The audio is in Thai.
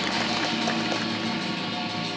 วันนี้ข้ามาขอยืมของสำคัญ